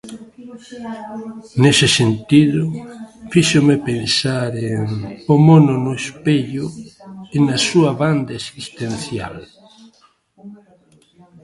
Nese sentido, fíxome pensar en O mono no espello e na súa banda existencial.